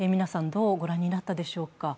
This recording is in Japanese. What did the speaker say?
どうご覧になったでしょうか。